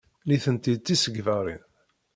Nitenti d tisegbarin.